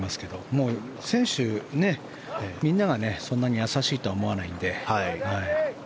もう選手、みんながそんなに優しいとは思わないので。